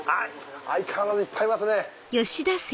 相変わらずいっぱいいますね。